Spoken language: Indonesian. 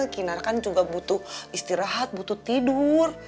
kinar kan juga butuh istirahat butuh tidur